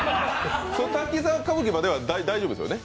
「滝沢歌舞伎」までは大丈夫ですね？